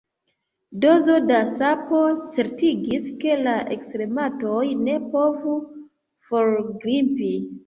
Dozo da sapo certigis, ke la ekstermatoj ne povu forgrimpi.